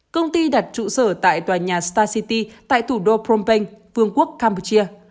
công ty đặt trụ sở tại tòa nhà star city tại thủ đô phnom penh vương quốc campuchia